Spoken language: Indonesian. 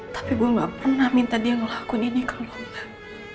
tapi gue gak pernah minta dia ngelakuin ini ke rumah